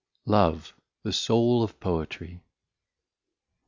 Love, the Soul of Poetry.